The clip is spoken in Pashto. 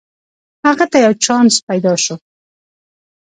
هغه ته یو چانس پیداشو